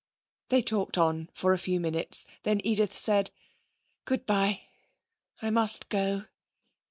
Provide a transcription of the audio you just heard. They talked on for a few minutes. Then Edith said: 'Good bye. I must go.'